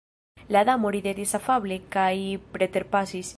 La Damo ridetis afable kaj preterpasis!